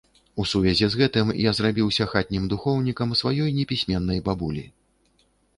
У сувязі з гэтым я зрабіўся хатнім духоўнікам сваёй непісьменнай бабулі.